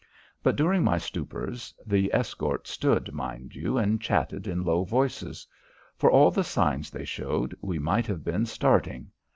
But during my stupors, the escort stood, mind you, and chatted in low voices. For all the signs they showed, we might have been starting.